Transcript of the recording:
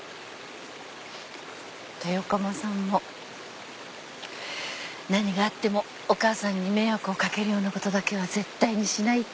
豊駒さんも何があってもお母さんに迷惑を掛けるようなことだけは絶対にしないって言ってたわ。